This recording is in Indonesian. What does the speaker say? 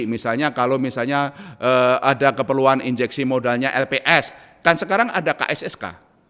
misalnya kalau misalnya ada keperluan injeksi modalnya lps kan sekarang ada kssk